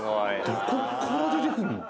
どこから出てくんの？